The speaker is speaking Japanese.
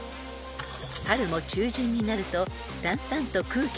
［春も中旬になるとだんだんと空気が潤い］